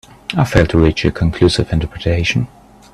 I failed to reach a conclusive interpretation.